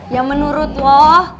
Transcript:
ya menurut lo